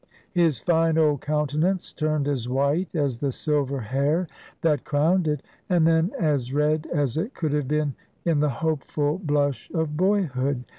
His fine old countenance turned as white as the silver hair that crowned it, and then as red as it could have been in the hopeful blush of boyhood.